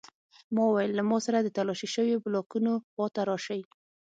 ما وویل له ما سره د تالاشي شویو بلاکونو خواته راشئ